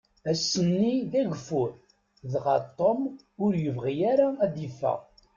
Ass-nni, d agfur, dɣa Tom ur yebɣi ara ad yeffeɣ.